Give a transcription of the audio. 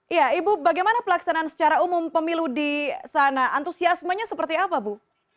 iya ibu bagaimana pelaksanaan secara umum pemilu di sana antusiasmenya seperti apa bu